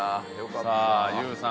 さあＹＯＵさん